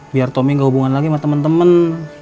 biar tommy gak hubungan lagi sama temen temen